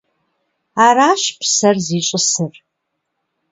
Аращ псэр зищӏысыр.